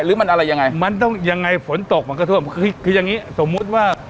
หรือมันอะไรยังไงมันต้องยังไงฝนตกมันก็ท่วมคือคืออย่างงี้สมมุติว่า